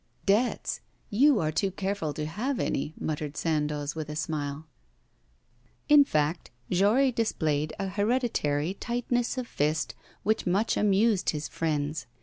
'Debts! you are too careful to have any,' muttered Sandoz, with a smile. In fact, Jory displayed a hereditary tightness of fist which much amused his friends.